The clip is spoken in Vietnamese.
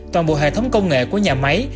toàn bộ hệ thống công nghệ của nhà máy